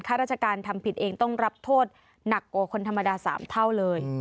ราชการทำผิดเองต้องรับโทษหนักกว่าคนธรรมดา๓เท่าเลย